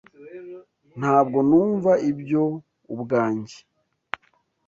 Ntabwo numva ibyo ubwanjye.